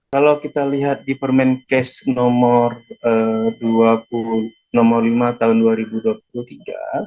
kalau kita lihat di permenkes nomor lima tahun dua ribu dua puluh tiga